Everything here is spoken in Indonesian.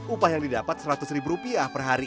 upah yang didapat seratus ribu rupiah per hari